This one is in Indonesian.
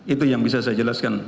itu yang bisa saya jelaskan